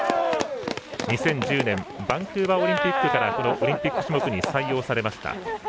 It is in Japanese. ２０１０年バンクーバーオリンピックからオリンピック種目に採用されました。